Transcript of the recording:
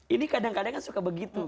ini kadang kadang kan suka begitu